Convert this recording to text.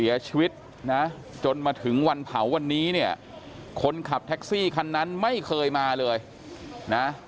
เสียชีวิตนะจนมาถึงวันเผาวันนี้เนี่ยคนขับแท็กซี่คันนั้นไม่เคยมาเลยนะ